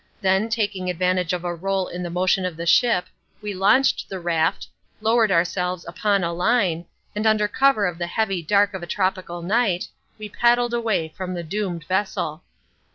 Then taking advantage of a roll in the motion of the ship, we launched the raft, lowered ourselves upon a line, and under cover of the heavy dark of a tropical night, we paddled away from the doomed vessel.